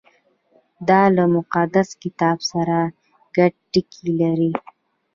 • دا له مقدس کتاب سره ګډ ټکي لري.